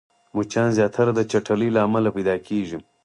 مچان زياتره د چټلۍ له امله پيدا کېږي